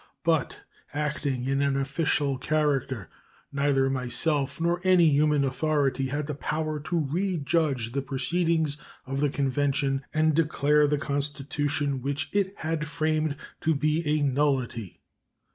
But, acting in an official character, neither myself nor any human authority had the power to rejudge the proceedings of the convention and declare the constitution which it had framed to be a nullity.